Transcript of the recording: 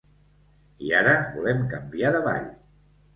I ara volem canviar de ball.